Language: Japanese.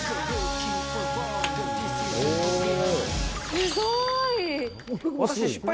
すごい！